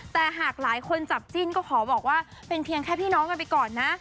แต่หากหลายคนจับจิ้นก็ขอบอกว่าเป็นเพียงแค่พี่น้องกันไปก่อนนะ